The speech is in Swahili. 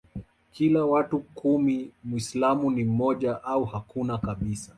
kila watu kumi Mwislamu ni mmoja au hakuna kabisa